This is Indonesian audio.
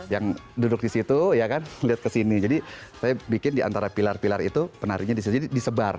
yang duduk disitu ya kan lihat kesini jadi saya bikin di antara pilar pilar itu penari nya disini disebar